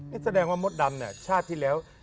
นี่แสดงว่ามดดำเนี่ยชาติที่แล้ว